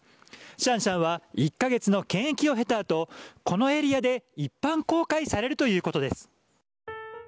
シャンシャンは１か月の検疫を経たあとこのエリアで一般公開されるということです。